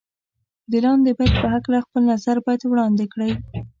د لاندې بیت په هکله خپل نظر باید وړاندې کړئ.